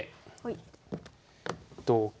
同金。